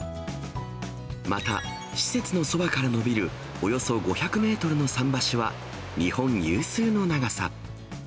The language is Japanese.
また施設のそばから伸びるおよそ５００メートルの桟橋は、日本有数の長さ。